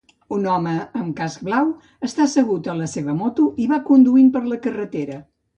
Un home amb casc blau està assegut a la seva moto i va conduint per la carretera.